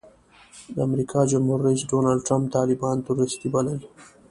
د امریکا جمهور رئیس ډانلډ ټرمپ طالبان ټروریسټي بلل.